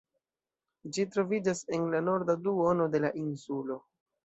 Ĝi troviĝas en la norda duono de la insulo.